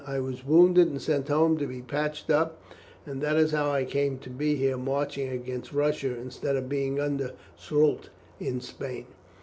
I was wounded and sent home to be patched up, and that is how I come to be here marching against Russia instead of being under Soult in Spain.